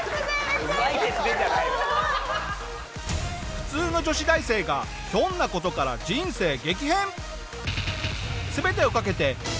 普通の女子大生がひょんな事から人生激変！